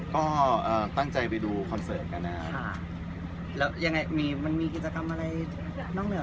ก็เอ่อตั้งใจไปดูคอนเซอร์ตกันนะครับแล้วยังไงมีมันมีกิจกรรมอะไรน่ากันดูเลย